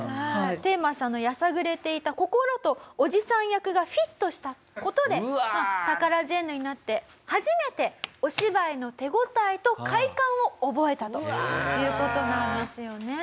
テンマさんのやさぐれていた心とおじさん役がフィットした事でタカラジェンヌになって初めてお芝居の手応えと快感を覚えたという事なんですよね。